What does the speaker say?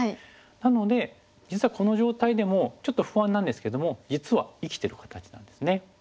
なので実はこの状態でもちょっと不安なんですけども実は生きてる形なんですね。